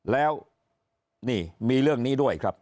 แล้วนี่มีเรื่องนี้ด้วยครับ